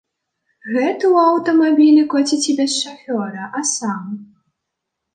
Гэты ў аўтамабілі коціць і без шафёра, а сам.